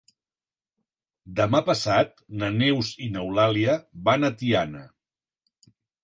Demà passat na Neus i n'Eulàlia van a Tiana.